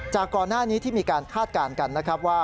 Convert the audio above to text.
จากก่อนหน้านี้ที่มีการคาดการณ์กันนะครับว่า